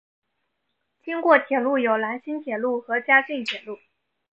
经过铁路有兰新铁路和嘉镜铁路。